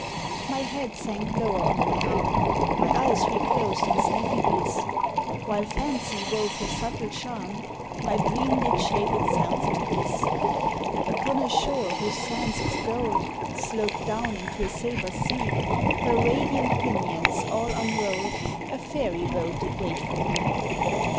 My head sank lower on my arm, My eyes re closed in sleepy bliss, While fancy wove her subtle charm, My dream did shape itself to this: Upon a shore whose sands of gold Sloped down into a silver sea, Her radiant pinions all unrolled, A fairy boat did wait for me.